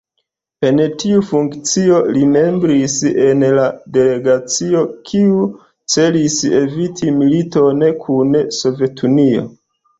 En tiu funkcio li membris en la delegacio kiu celis eviti militon kun Sovetunio.